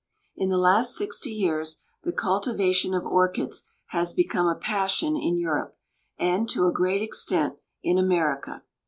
In the last sixty years the cultivation of orchids has become a passion in Europe and, to a great extent, in America.